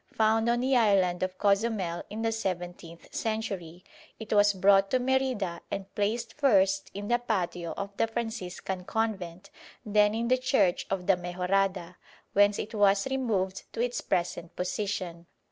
Found on the island of Cozumel in the seventeenth century, it was brought to Merida and placed first in the patio of the Franciscan Convent, then in the Church of the Mejorada, whence it was removed to its present position.